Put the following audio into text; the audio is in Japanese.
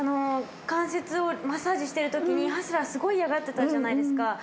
関節をマッサージしてるときにハスラーすごい嫌がってたじゃないですか？